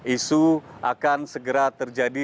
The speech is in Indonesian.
isu akan segera terjadi